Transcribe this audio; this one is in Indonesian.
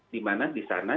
di mana di sana